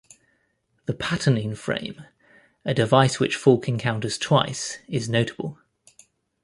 The patterning frame, a device which Falk encounters twice, is notable.